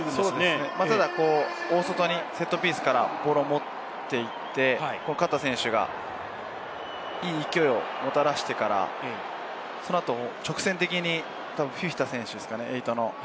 ただ大外にセットピースからボールを持っていって、カタ選手がいい勢いをもたらしてから、その後、直線的に、たぶんフィフィタ選手ですかね？